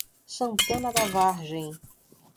Santana da Vargem